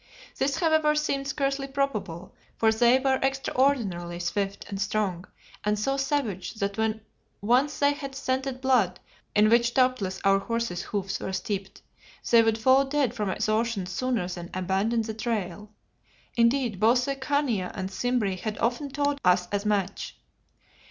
This, however, seemed scarcely probable, for they were extraordinarily swift and strong, and so savage that when once they had scented blood, in which doubtless our horses' hoofs were steeped, they would fall dead from exhaustion sooner than abandon the trail. Indeed, both the Khania and Simbri had often told us as much.